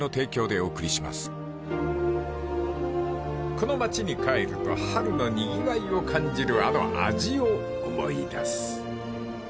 ［この町に帰ると春のにぎわいを感じるあの味を思い出す］